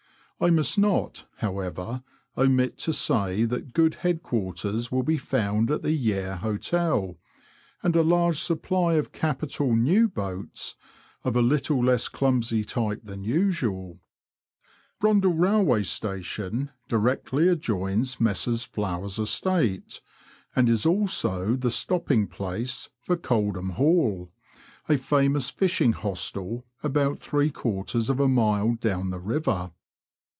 I must not, however, omit to say that good head quartere will be found at the Yare Hotel, and a large supply of capital new boats, of a little less clumsy type than usual. Brundall Eailway station directly adjoins Messrs. Flowers' estate, and is also the stopping place for Coldham Hall," a famous fishing hostel about three quarters of a mile down the river.